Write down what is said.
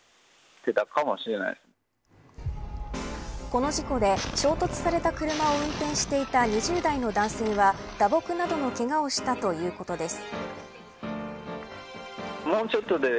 この事故で衝突された車を運転していた２０代の男性は打撲などのけがをしたということです。